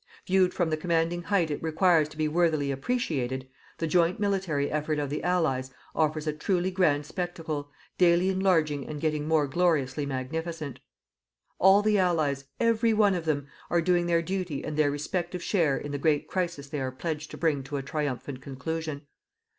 Viewed from the commanding height it requires to be worthily appreciated, the joint military effort of the Allies offers a truly grand spectacle, daily enlarging and getting more gloriously magnificent. All the Allies every one of them are doing their duty and their respective share in the great crisis they are pledged to bring to a triumphant conclusion.